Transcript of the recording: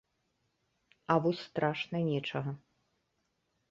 А вось страшна нечага.